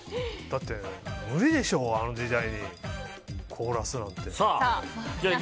だって無理でしょ、あの時代に凍らせるなんて。